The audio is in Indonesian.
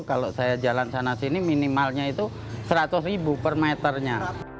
kalau saya jalan sana sini minimalnya itu seratus ribu per meternya